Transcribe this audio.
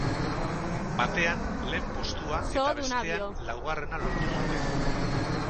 Batean, lehen postua eta bestean laugarrena lortu zuten.